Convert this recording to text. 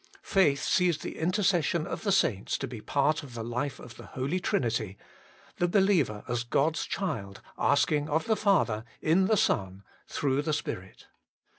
Faith sees the intercession of the saints to be part of the life of the Holy Trinity the believer as God s child asking of the Father, in the Son, through the Spirit.